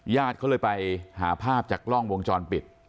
ญาติเขาเลยไปหาภาพจากร่องวงจรปิด